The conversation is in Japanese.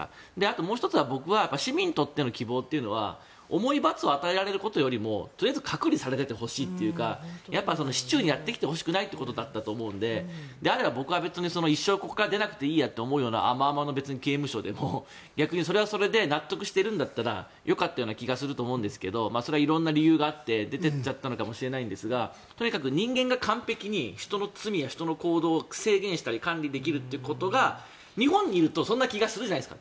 もう１つは僕は市民にとっての希望というのは重い罰を与えられることよりもとりあえず隔離されていてほしいというか市中にやってきてほしくないということだったと思うのでであれば僕は一生ここから出なくていいやと思えるような甘々の刑務所でも逆にそれはそれで納得してるんだったらよかったような気がするんですがそれは色んな理由があって出ていっちゃったのかもしれないんですがとにかく人間が完璧に人の罪や行動を制限したり管理できるってことが日本にいるとそんな気がするじゃないですか。